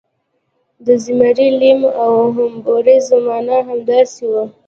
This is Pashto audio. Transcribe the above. د زیمري لیم او حموربي زمانه همداسې وه.